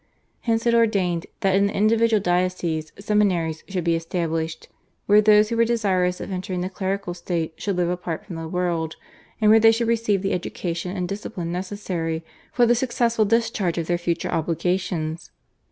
Hence it ordained that in the individual dioceses seminaries should be established, where those who were desirous of entering the clerical state should live apart from the world, and where they should receive the education and discipline necessary for the successful discharge of their future obligations.